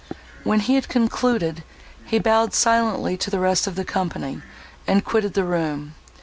When he had concluded, he bowed silently to the rest of the company, and quitted the room.